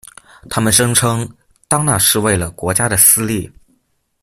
他们声称当那是为了国家的私利。